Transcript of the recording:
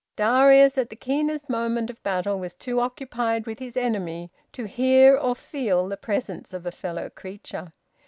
Darius at the keenest moment of battle was too occupied with his enemy to hear or feel the presence of a fellow creature.